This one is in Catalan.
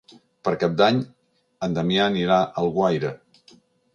Per Cap d'Any en Damià anirà a Alguaire.